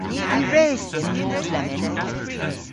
Yw res dhymm mos lemmyn?